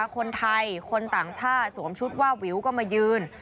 คนไทยคนต่างชาติสวมชุดว่าวิวก็มายืน